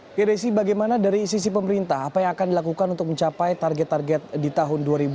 oke desi bagaimana dari sisi pemerintah apa yang akan dilakukan untuk mencapai target target di tahun dua ribu dua puluh